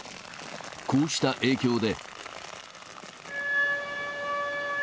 こうした影響で。